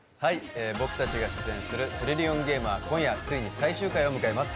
僕たちが出演する「トリリオンゲーム」は今夜、ついに最終回を迎えます。